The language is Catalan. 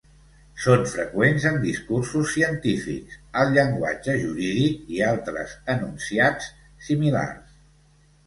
Són freqüents en discursos científics, al llenguatge jurídic i altres enunciats similars.